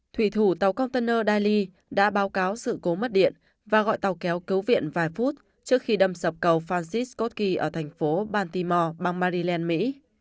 thủy thủ tàu container dali đã báo cáo sự cố mất điện và gọi tàu kéo cứu viện vài phút trước khi đâm sập cầu francis kotki ở thành phố baltimore bang maryland mỹ